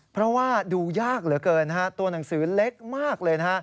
เพราะว่าดูยากเหลือเกินนะฮะตัวหนังสือเล็กมากเลยนะฮะ